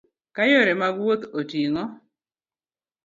Ka yore mag wuoth otigo